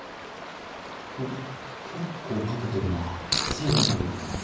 おっ結構かけてるな最後にかけたのは？